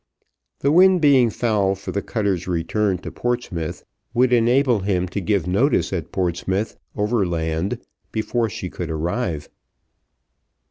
The wind being foul for the cutter's return to Portsmouth, would enable him to give notice at Portsmouth, over land, before she could arrive.